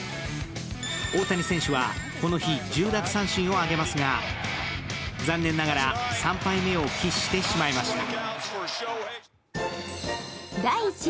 大谷選手は、この日、１０奪三振をあげますが残念ながら３敗目を喫してしまいました。